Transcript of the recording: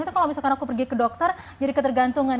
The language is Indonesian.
karena kalau misalkan aku pergi ke dokter jadi ketergantungan